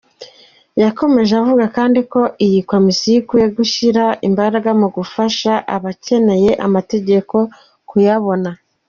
Yakomeje avuga kandi ko iyi komisiyo ikwiye gushyira imbaraga mu gufasha abakenera amategeko kuyabona.